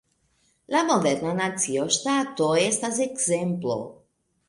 La moderna Nacio-ŝtato estas ekzemplo.